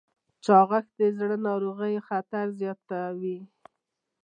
چاغښت د زړه ناروغیو خطر زیاتوي.